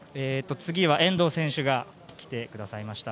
次は遠藤選手が来てくださいました。